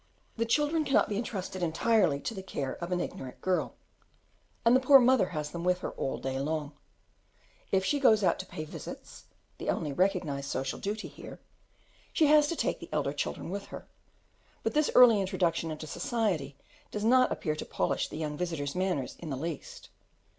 The children cannot be entrusted entirely to the care of an ignorant girl, and the poor mother has them with her all day long; if she goes out to pay visits (the only recognized social duty here), she has to take the elder children with her, but this early introduction into society does not appear to polish the young visitors' manners in the least.